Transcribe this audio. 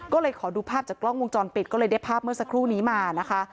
ก็เลยขอดูภาพจากกล้องวงจรปิดก็เลยได้ภาพเมื่อสักครู่นี้มานะคะ